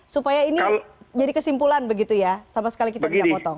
supaya ini jadi kesimpulan begitu ya sama sekali kita tidak potong